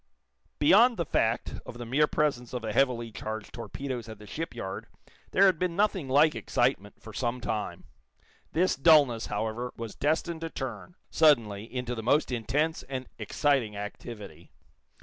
Beyond the fact of the mere presence of the heavily charged torpedoes at the shipyard there had been nothing like excitement, for some time. This dullness, however, was destined to turn, suddenly, into the most intense and exciting activity.